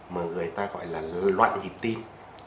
mà người ta gọi là loạn nhịp tim